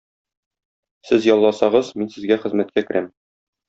Сез ялласагыз, мин сезгә хезмәткә керәм.